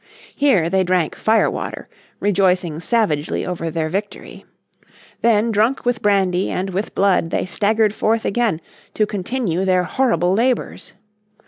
Here they drank "fire water," rejoicing savagely over their victory. Then drunk with brandy and with blood they staggered forth again to continue their horrible labours.